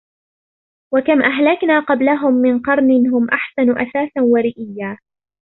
وكم أهلكنا قبلهم من قرن هم أحسن أثاثا ورئيا